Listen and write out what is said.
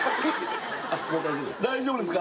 大丈夫ですか？